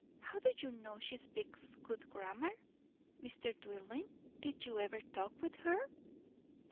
How do you know she speaks good grammar, Mr. Dillwyn? did you ever talk with her?"